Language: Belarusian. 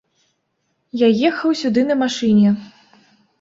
Я ехаў сюды на машыне.